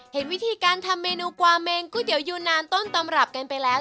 เห็นวิธีการทำเมนูกวาเมงก๋วยูนานต้นตำรับกันไปแล้ว